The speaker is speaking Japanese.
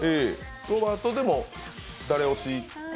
ロバートでも誰推し？